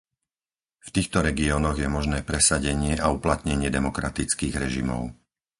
V týchto regiónoch je možné presadenie a uplatnenie demokratických režimov.